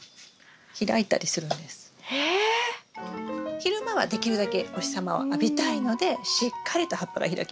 昼間はできるだけお日様を浴びたいのでしっかりと葉っぱが開きます。